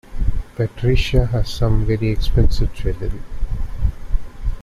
Patricia has some very expensive jewellery